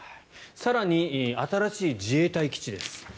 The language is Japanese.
更に新しい自衛隊基地です。